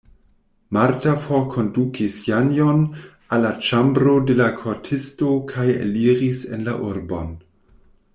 Marta forkondukis Janjon al la ĉambro de la kortisto kaj eliris en la urbon.